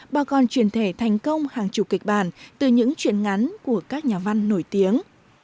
bà còn truyền thể thành công hàng chục kịch bản từ những chuyện ngắn của các nhà văn nổi tiếng